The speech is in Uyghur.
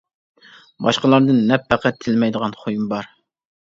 باشقىلاردىن نەپ پەقەت، تىلىمەيدىغان خۇيۇم بار.